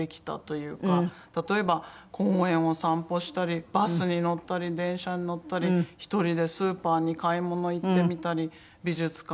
例えば公園を散歩したりバスに乗ったり電車に乗ったり１人でスーパーに買い物行ってみたり美術館